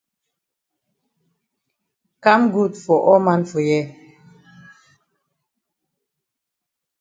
Kam good for all man for here.